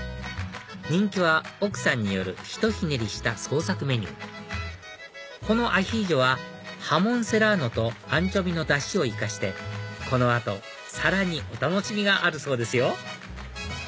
人気は奥さんによるひとひねりした創作メニューこのアヒージョはハモンセラーノとアンチョビーのダシを生かしてこの後さらにお楽しみがあるそうですよ